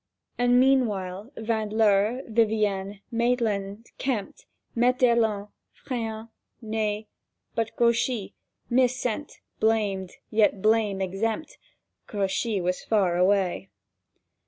And meanwhile Vand'leur, Vivian, Maitland, Kempt, Met d'Erlon, Friant, Ney; But Grouchy—mis sent, blamed, yet blame exempt— Grouchy was far away.